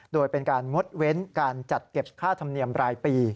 โดยเป็นการงดเว้นการจัดเก็บค่าธรรมเนียมรายปี